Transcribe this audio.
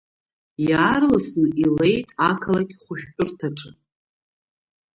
Иаарласны илеит ақалақь хәшәтәырҭаҿы.